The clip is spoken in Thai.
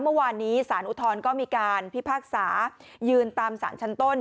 เมื่อวานนี้สารอุทธรณ์ก็มีการพิพากษายืนตามสารชั้นต้น